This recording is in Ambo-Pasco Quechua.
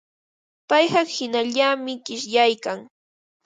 Payqa hinallami qishyaykan.